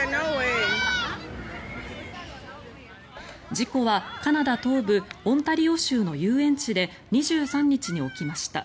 事故はカナダ東部オンタリオ州の遊園地で２３日に起きました。